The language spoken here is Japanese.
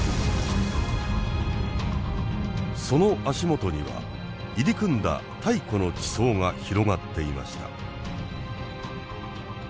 その足元には入り組んだ太古の地層が広がっていました。